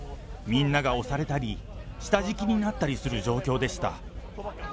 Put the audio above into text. みんなが押されたり、下敷きになったりする状況でした。